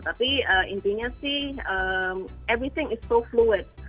tapi intinya sih semuanya sangat fluid